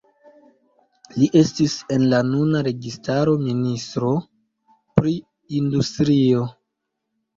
Li estis en la nuna registaro ministro pri industrio.